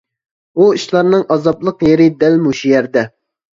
ئۇ ئىشلارنىڭ ئازابلىق يېرى دەل مۇشۇ يەردە.